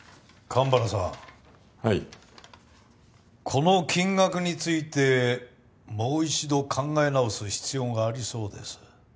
この金額についてもう一度考え直す必要がありそうです。